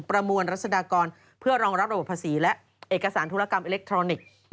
ประมวลรัศดากรเพื่อรองรับระบบภาษีและเอกสารธุรกรรมอิเล็กทรอนิกส์